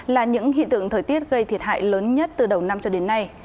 là những hiện tượng thời tiết gây thiệt hại lớn nhất từ đầu năm cho đến nay